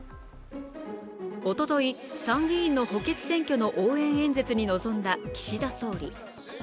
おととい、参議院の補欠選挙の応援演説に臨んだ岸田総理。